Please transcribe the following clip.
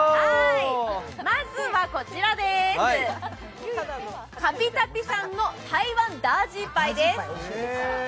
まずはこちらです、カピタピさんの台湾大ジーパイです。